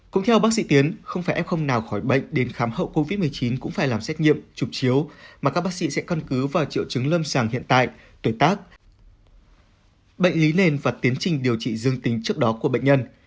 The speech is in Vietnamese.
cũng theo bác sĩ tiến không phải em không nào khỏi bệnh đến khám hậu covid một mươi chín cũng phải làm xét nghiệm chụp chiếu mà các bác sĩ sẽ căn cứ vào triệu chứng lâm sàng hiện tại tuổi tác bệnh lý nền và tiến trình điều trị dương tính trước đó của bệnh nhân